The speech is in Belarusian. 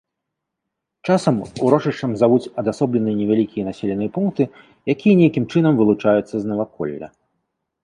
Часам урочышчам завуць адасобленыя невялікія населеныя пункты, якія нейкім чынам вылучаюцца з наваколля.